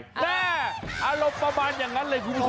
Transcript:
แม่อารมณ์ประมาณอย่างนั้นเลยคุณผู้ชม